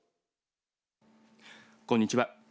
こんにちは。